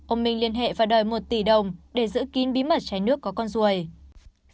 ông minh liên hệ và đòi một tỷ đồng để giữ kín bí mật trái nước có con ruồi